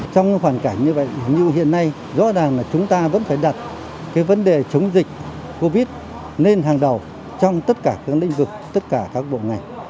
trong hoàn cảnh như vậy nhưng hiện nay rõ ràng là chúng ta vẫn phải đặt vấn đề chống dịch covid lên hàng đầu trong tất cả các lĩnh vực tất cả các bộ ngành